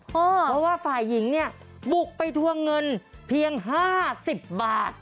เพราะว่าฝ่ายริงปลูกไปทั่วเงินเทียเหง๕๐บาท